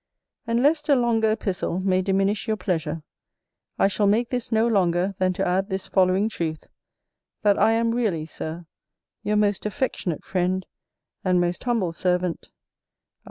And lest a longer epistle may diminish your pleasure, I shall make this no longer than to add this following truth, that I am really, Sir, your most affectionate Friend, and most humble Servant, Iz.